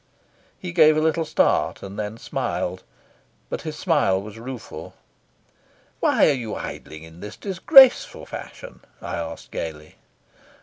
He gave a little start, and then smiled, but his smile was rueful. "Why are you idling in this disgraceful fashion?" I asked gaily.